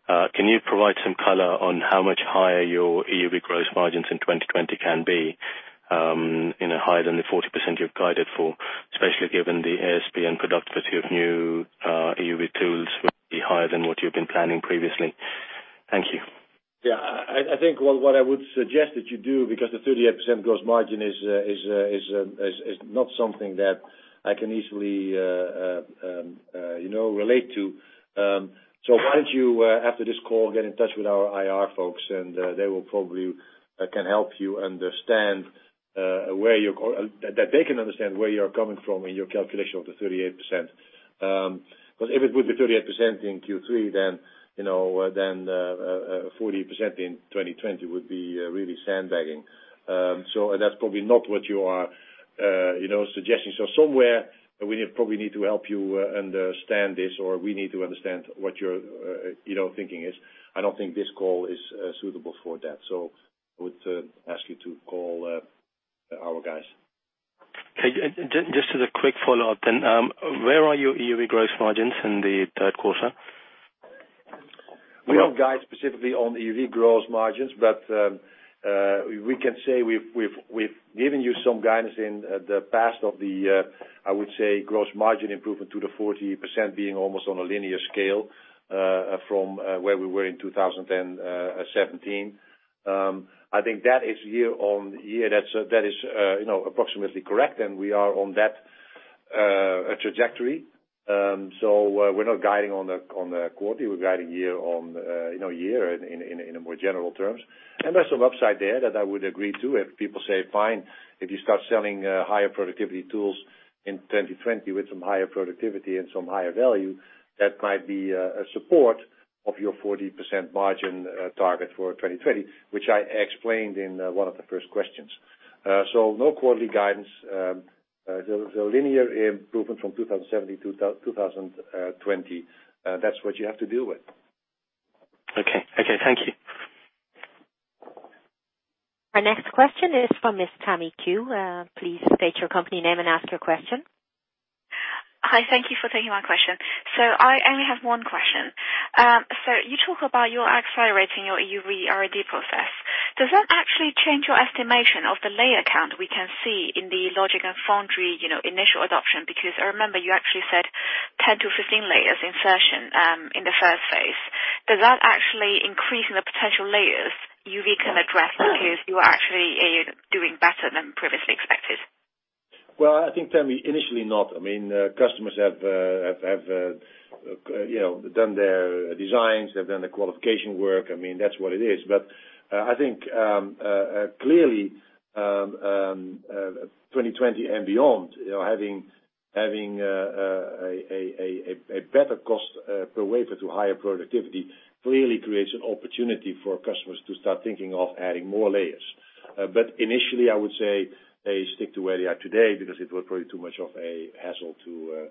can you provide some color on how much higher your EUV gross margins in 2020 can be, higher than the 40% you've guided for, especially given the ASP and productivity of new EUV tools will be higher than what you've been planning previously? Thank you. Yeah. I think what I would suggest that you do, because the 38% gross margin is not something that I can easily relate to. Why don't you, after this call, get in touch with our IR folks, they will probably, can help you understand where you're coming from in your calculation of the 38%. If it was the 38% in Q3, then 40% in 2020 would be really sandbagging. That's probably not what you are suggesting. Somewhere, we probably need to help you understand this, or we need to understand what your thinking is. I don't think this call is suitable for that. I would ask you to call our guys. Okay. Just as a quick follow-up then. Where are your EUV gross margins in the third quarter? We don't guide specifically on EUV gross margins. We can say we've given you some guidance in the past of the, I would say, gross margin improvement to the 40% being almost on a linear scale, from where we were in 2017. I think that is year-on-year, that is approximately correct, we are on that trajectory. We're not guiding on the quarterly. We're guiding year-on-year in more general terms. There's some upside there that I would agree to, if people say, fine, if you start selling higher productivity tools in 2020 with some higher productivity and some higher value, that might be a support of your 40% margin target for 2020, which I explained in one of the first questions. No quarterly guidance. The linear improvement from 2017 to 2020, that's what you have to deal with. Okay. Thank you. Our next question is from Tammy Qiu. Please state your company name and ask your question. Hi. Thank you for taking my question. I only have one question. You talk about you're accelerating your EUV R&D process. Does that actually change your estimation of the layer count we can see in the logic and foundry initial adoption? Because I remember you actually said 10-15 layers insertion in the first phase. Does that actually increase in the potential layers EUV can address because you are actually doing better than previously expected? I think, Tammy, initially not. Customers have done their designs, they've done the qualification work. That's what it is. I think, clearly, 2020 and beyond, having a better cost per wafer to higher productivity clearly creates an opportunity for customers to start thinking of adding more layers. Initially, I would say they stick to where they are today because it was probably too much of a hassle to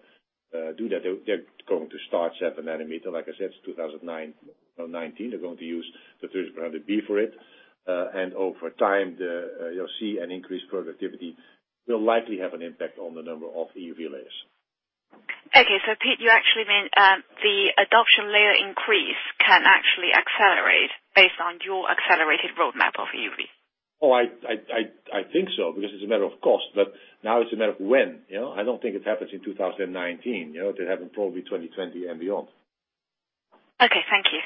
do that. They're going to start seven nanometer. Like I said, it's 2019. They're going to use the 38B for it. Over time, you'll see an increased productivity will likely have an impact on the number of EUV layers. Okay. Pete, you actually mean the adoption layer increase can actually accelerate based on your accelerated roadmap of EUV? Oh, I think so, because it's a matter of cost, but now it's a matter of when. I don't think it happens in 2019. It happens probably 2020 and beyond. Okay. Thank you.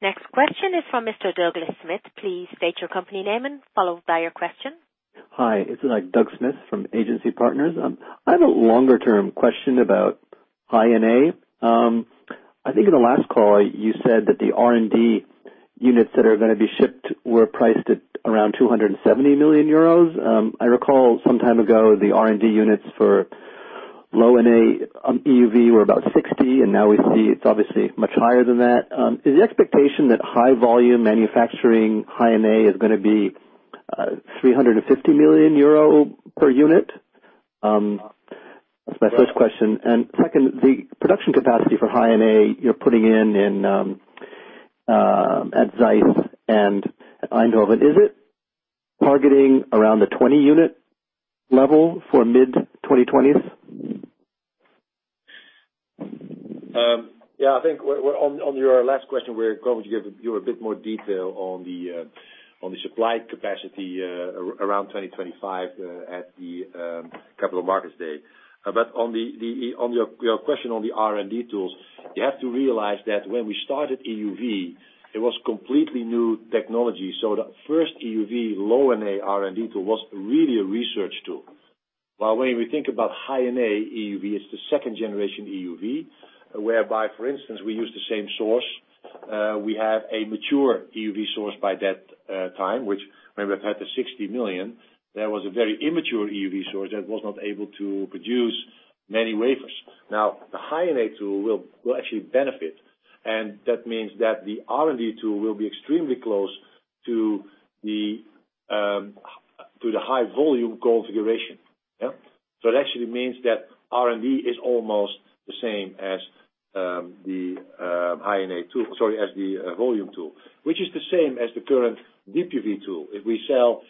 Next question is from Mr. Doug Smith. Please state your company name, and followed by your question. Hi. This is Doug Smith from Agency Partners. I have a longer-term question about High-NA. I think in the last call, you said that the R&D units that are going to be shipped were priced at around 270 million euros. I recall some time ago, the R&D units for low-NA EUV were about 60, and now we see it's obviously much higher than that. Is the expectation that high volume manufacturing High-NA is going to be 350 million euro per unit? That's my first question. Second, the production capacity for High-NA you're putting in at Zeiss and Eindhoven, is it targeting around the 20 unit level for mid-2020s? Yeah. I think on your last question, we're going to give you a bit more detail on the supply capacity around 2025 at the Capital Markets Day. On your question on the R&D tools, you have to realize that when we started EUV, it was completely new technology. The first EUV low-NA R&D tool was really a research tool. When we think about High-NA EUV, it's the second generation EUV, whereby, for instance, we use the same source. We have a mature EUV source by that time, which remember had the 60 million. There was a very immature EUV source that was not able to produce many wafers. The High-NA tool will actually benefit, and that means that the R&D tool will be extremely close to the high volume configuration. It actually means that R&D is almost the same as the volume tool, which is the same as the current Deep UV tool. If we sell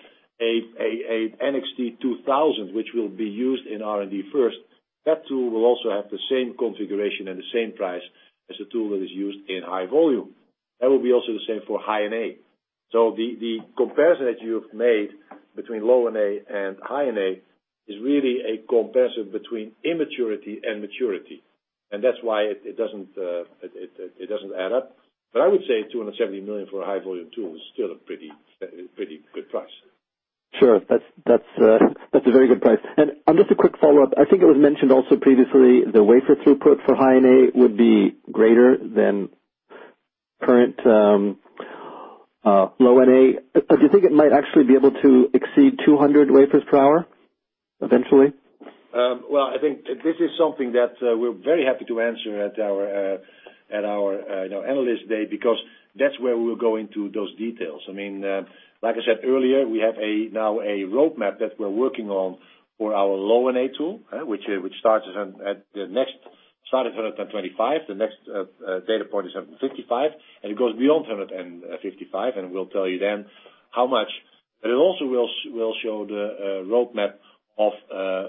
a TWINSCAN NXT:2000i, which will be used in R&D first, that tool will also have the same configuration and the same price as the tool that is used in high volume. That will be also the same for High-NA. The comparison that you have made between low-NA and High-NA is really a comparison between immaturity and maturity. That's why it doesn't add up. I would say 270 million for a high volume tool is still a pretty good price. Sure. That's a very good price. Just a quick follow-up. I think it was mentioned also previously, the wafer throughput for High-NA would be greater than current low-NA. Do you think it might actually be able to exceed 200 wafers per hour eventually? Well, I think this is something that we're very happy to answer at our analyst day because that's where we'll go into those details. Like I said earlier, we have now a roadmap that we're working on for our low NA tool, which starts at 125. The next data point is 155, and it goes beyond 155, and we'll tell you then how much. It also will show the roadmap of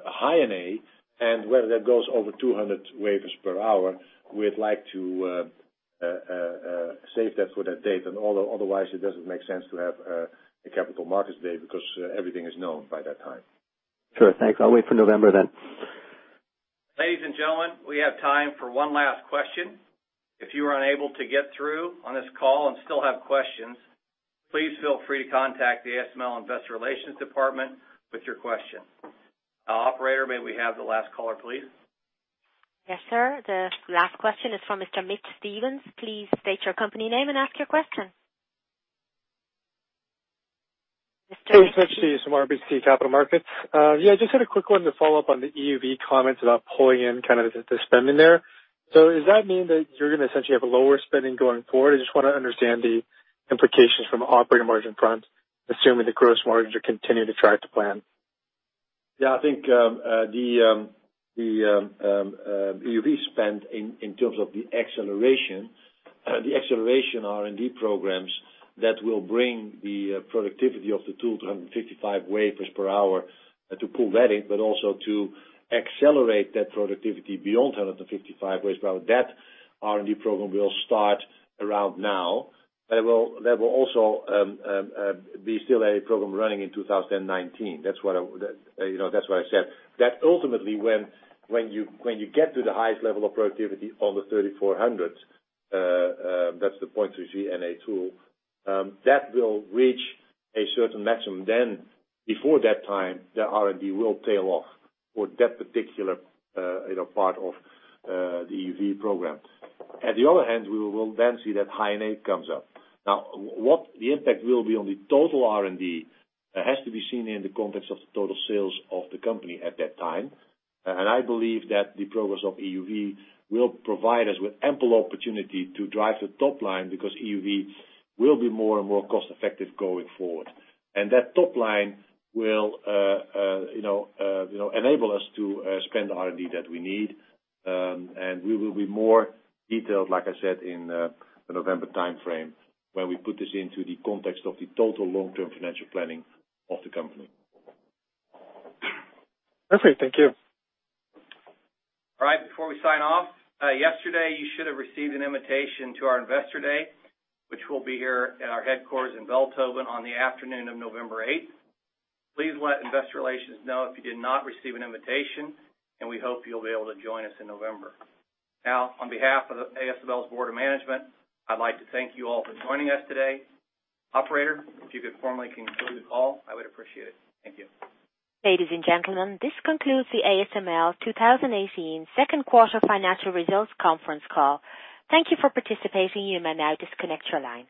High-NA and whether that goes over 200 wafers per hour. We'd like to save that for that date. Otherwise, it doesn't make sense to have a Capital Markets Day because everything is known by that time. Sure. Thanks. I'll wait for November then. Ladies and gentlemen, we have time for one last question. If you were unable to get through on this call and still have questions, please feel free to contact the ASML investor relations department with your question. Operator, may we have the last caller, please? Yes, sir. The last question is from Mr. Mitch Steves. Please state your company name and ask your question. Mitch Steves from RBC Capital Markets. Just had a quick one to follow up on the EUV comments about pulling in kind of the spending there. Does that mean that you're going to essentially have a lower spending going forward? I just want to understand the implications from an operating margin front, assuming the gross margins are continuing to track to plan. I think the EUV spend in terms of the acceleration R&D programs that will bring the productivity of the tool to 155 wafers per hour to pull that in, but also to accelerate that productivity beyond 155 wafers per hour. That R&D program will start around now. There will also be still a program running in 2019. That's why I said that ultimately when you get to the highest level of productivity on the NXE:3400, that's the 0.33 NA tool, that will reach a certain maximum. On the other hand, we will then see that High-NA comes up. What the impact will be on the total R&D has to be seen in the context of the total sales of the company at that time. I believe that the progress of EUV will provide us with ample opportunity to drive the top line because EUV will be more and more cost-effective going forward. That top line will enable us to spend the R&D that we need. We will be more detailed, like I said, in the November timeframe, when we put this into the context of the total long-term financial planning of the company. Perfect. Thank you. All right. Before we sign off, yesterday you should have received an invitation to our Investor Day, which will be here at our headquarters in Veldhoven on the afternoon of November 8th. Please let Investor Relations know if you did not receive an invitation, and we hope you will be able to join us in November. On behalf of ASML's Board of Management, I would like to thank you all for joining us today. Operator, if you could formally conclude the call, I would appreciate it. Thank you. Ladies and gentlemen, this concludes the ASML 2018 second quarter financial results conference call. Thank you for participating. You may now disconnect your line.